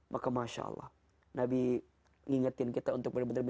maka masya allah nabi mengingatkan kita untuk menjaga lisan kita